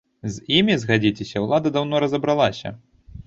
З імі, згадзіцеся, улада даўно разабралася.